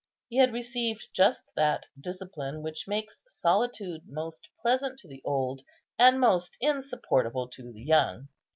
He had received just that discipline which makes solitude most pleasant to the old, and most insupportable to the young.